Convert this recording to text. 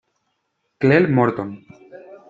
Clair Morton.